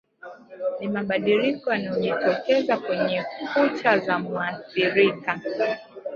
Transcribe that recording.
Ni mabadiliko yanayojitokeza kwenye kucha za muathirika